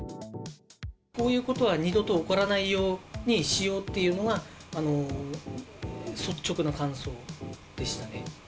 こういうことは二度と起こらないようにしようっていうのが、率直な感想でしたね。